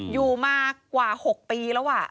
อยู่มากว่า๖ปีแล้ว